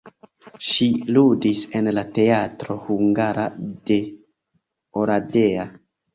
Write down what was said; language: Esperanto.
Ŝi ludis en la teatro hungara de Oradea.